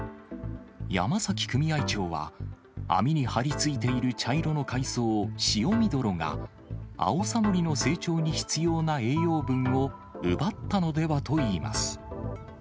山崎組合長は、網に張り付いている茶色の海藻、シオミドロが、アオサノリの成長に必要な栄養分を奪ったのではといいます。